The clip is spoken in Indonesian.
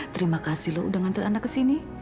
terima kasih loh udah ngantel ana ke sini